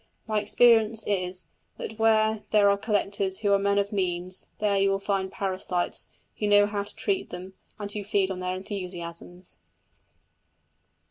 My experience is, that where there are collectors who are men of means, there you find their parasites, who know how to treat them, and who feed on their enthusiasms.